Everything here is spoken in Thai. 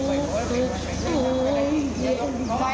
มายว้ายมายวะ